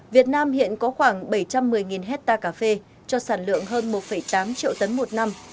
việt nam hiện có khoảng bảy trăm một mươi hectare cà phê cho sản lượng hơn một tám triệu tấn một năm